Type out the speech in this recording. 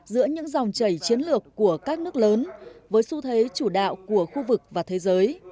giữa những dòng chảy chiến lược của các nước lớn với xu thế chủ đạo của khu vực và thế giới